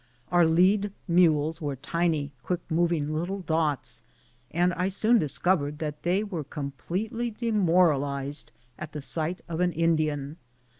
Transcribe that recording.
Our lead mules were tiny, quick moving little dots, and I soon discovered that they were completely demoralized at the sight of an Indian.